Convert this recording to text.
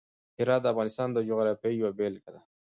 هرات د افغانستان د جغرافیې یوه بېلګه ده.